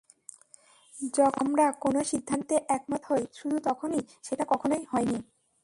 যখন আমরা কোনো সিদ্ধান্তে একমত হই, শুধু তখনই, সেটা কখনোই হয়নি।